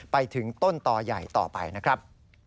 ไปถึงต้นต่อใหญ่ต่อไปนะครับ